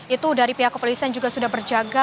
itu dari pihak kepolisian juga sudah berjaga